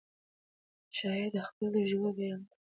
شاعر د خپلو تجربو بیان کوي.